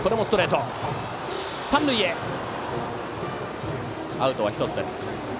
三塁へ、アウトは１つです。